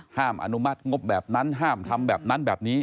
อนุมัติงบแบบนั้นห้ามทำแบบนั้นแบบนี้